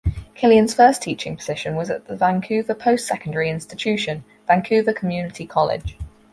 Kilian's first teaching position was at the Vancouver post-secondary institution, Vancouver Community College.